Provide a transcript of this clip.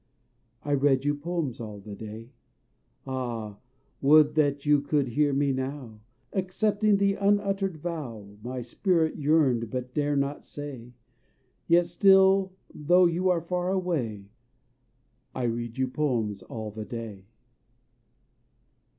I read you poems all the day; Ah! would that you could hear me now! Accepting the unuttered vow My spirit yearned but dare not say: Yet still though you are far away I read you poems all the day.